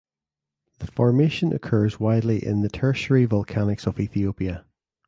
The formation occurs widely in the Tertiary volcanics of Ethiopia.